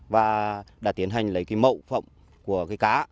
và đã tiến hành lấy mẫu phẩm của cá